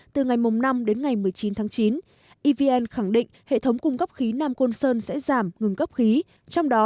từ ngày năm một mươi chín chín evn khẳng định hệ thống cung cấp khí nam côn sơn sẽ giảm ngừng cấp khí trong đó